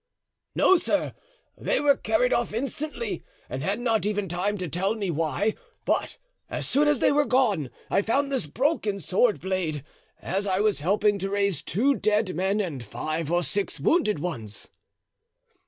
"No, sir, they were carried off instantly, and had not even time to tell me why; but as soon as they were gone I found this broken sword blade, as I was helping to raise two dead men and five or six wounded ones."